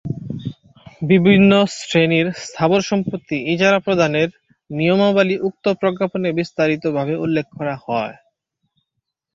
বিভিন্ন শ্রেণির স্থাবর সম্পত্তি ইজারা প্রদানের নিয়মাবলি উক্ত প্রজ্ঞাপনে বিস্তারিতভাবে উল্লেখ করা হয়।